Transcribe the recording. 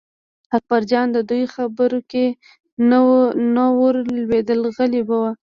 اکبرجان د دوی خبرو کې نه ور لوېده غلی و.